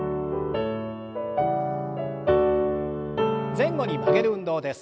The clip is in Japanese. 前後に曲げる運動です。